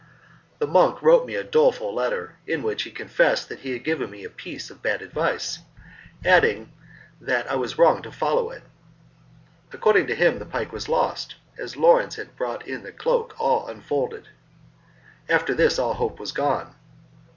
The monk wrote me a doleful letter, in which he confessed he had given me a piece of bad advice, adding that I was wrong to follow it. According to him the pike was lost, as Lawrence had brought in the cloak all unfolded. After this, all hope was gone.